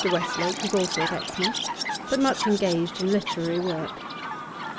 Westlake was also at Exmouth, but much engaged in literary work.